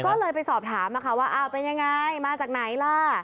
ก็เลยไปสอบถามนะคะว่าอ้าวเป็นยังไงมาจากไหนล่ะ